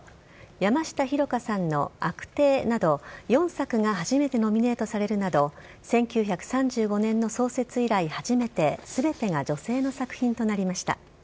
山下紘加さんの「あくてえ」など４作が初めてノミネートされるなど１９３５年の創設以来初めて全てが女性の作品となりました。